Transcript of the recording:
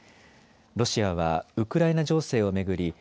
ロシアはウクライナ情勢を巡り